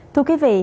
thưa quý vị